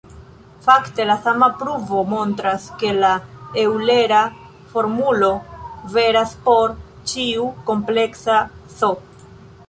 Fakte, la sama pruvo montras ke la eŭlera formulo veras por ĉiu kompleksa "z".